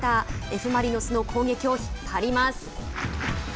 Ｆ・マリノスの攻撃を引っ張ります。